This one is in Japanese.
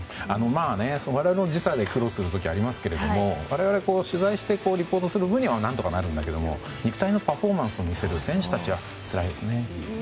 我々も時差で苦労することありますが我々は取材をしてリポートする分には何とかなるんだけども肉体のパフォーマンスを見せる選手たちはつらいですね。